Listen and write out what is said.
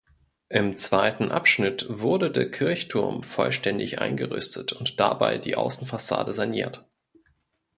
Im zweiten Abschnitt wurde der Kirchturm vollständig eingerüstet und dabei die Außenfassade saniert.